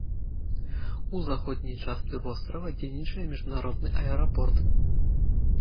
У заходняй частцы вострава дзейнічае міжнародны аэрапорт.